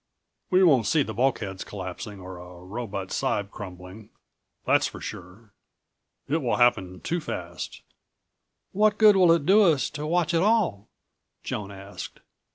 We won't see the bulkheads collapsing, or a robot cyb crumbling, that's for sure. It will happen too fast." "What good will it do us to watch at all?" Joan asked.